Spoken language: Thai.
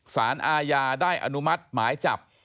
สารอาญาได้อนุมัติหมายจับ